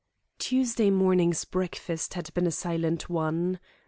Tuesday morning's breakfast had been a silent one.